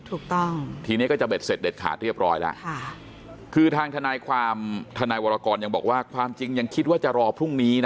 ถูกต้องทีนี้ก็จะเด็ดเสร็จเด็ดขาดเรียบร้อยแล้วคือทางทนายความทนายวรกรยังบอกว่าความจริงยังคิดว่าจะรอพรุ่งนี้นะ